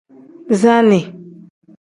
Bisaani.